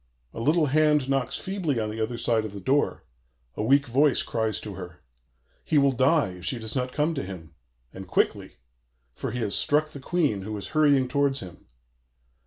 A little hand knocks feebly on the other side of the door; a weak voice cries to her. He will die if she does not come to him, and quickly; for he has struck the Queen, who is hurrying towards him.